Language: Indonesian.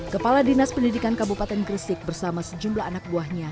kepala dinas pendidikan kabupaten gresik bersama sejumlah anak buahnya